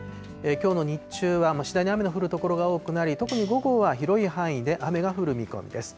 きょうの日中は次第に雨の降る所が多くなり、特に午後は広い範囲で雨が降る見込みです。